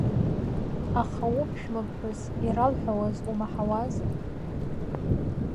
Аха уԥшәмаԥҳәыс иралҳәауаз умаҳауаз?